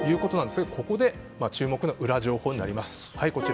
ここで注目のウラ情報になります。